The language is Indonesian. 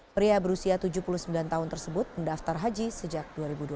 pria berusia tujuh puluh sembilan tahun tersebut mendaftar haji sejak dua ribu dua belas